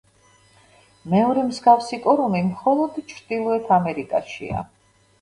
მეორე მსგავსი კორომი მხოლოდ ჩრდილოეთ ამერიკაშია.